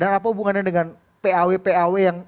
bagaimana dengan paw paw yang